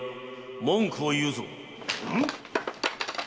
文句を言うぞ！